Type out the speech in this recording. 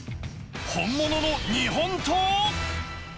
本物の日本刀。